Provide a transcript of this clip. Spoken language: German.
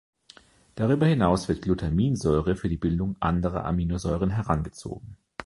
Darüber hinaus wird -Glutaminsäure für die Bildung anderer Aminosäuren herangezogen.